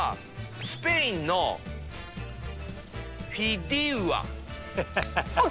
スペインのフィデウア。